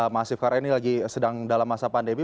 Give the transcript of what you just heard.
masif karena ini lagi sedang dalam masa pandemi